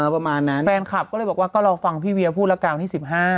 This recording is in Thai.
แฟนคอก็เลยบอกว่ารอฟังพี่เวียพูดรกรวรรม์ที่๑๕